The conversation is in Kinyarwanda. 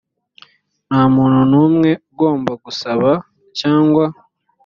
nta muntu n umwe ugomba gusaba cyangwa